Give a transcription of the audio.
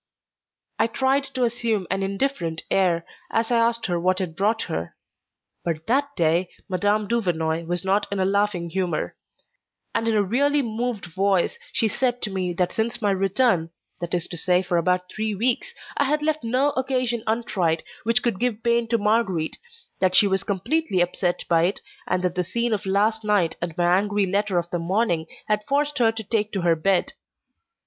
I tried to assume an indifferent air as I asked her what had brought her; but that day Mme. Duvernoy was not in a laughing humour, and in a really moved voice she said to me that since my return, that is to say for about three weeks, I had left no occasion untried which could give pain to Marguerite, that she was completely upset by it, and that the scene of last night and my angry letter of the morning had forced her to take to her bed.